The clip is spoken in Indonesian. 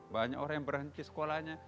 banyak orang yang berhenti sekolahnya